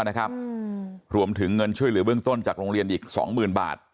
นะครับรวมถึงเงินช่วยเหลือเบื้องต้นจากโรงเรียนอีกสองหมื่นบาท